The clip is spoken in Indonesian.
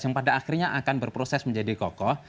yang pada akhirnya akan berproses menjadi kokoh